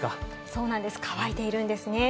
そうなんです、乾いているんですね。